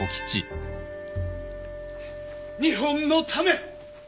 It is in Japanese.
日本のため！